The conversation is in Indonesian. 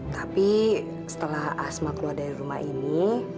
tapi setelah asma keluar dari rumah ini